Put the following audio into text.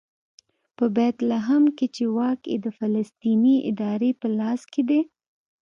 په بیت لحم کې چې واک یې د فلسطیني ادارې په لاس کې دی.